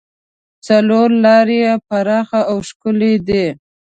څلور لارې یې پراخه او ښکلې دي.